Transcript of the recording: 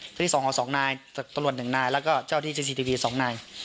เจ้าที่สองห่อสองนายตรวจหนึ่งนายแล้วก็เจ้าที่สองนาย